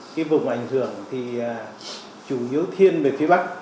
cái vùng ảnh hưởng thì chủ yếu thiên về phía bắc